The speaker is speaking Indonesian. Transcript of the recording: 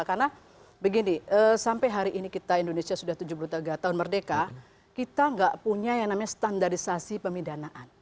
karena begini sampai hari ini kita indonesia sudah tujuh puluh tiga tahun merdeka kita nggak punya yang namanya standarisasi pemidanaan